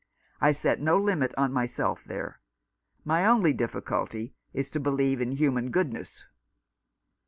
I set no limit on myself there. My only difficulty is to believe in human goodness.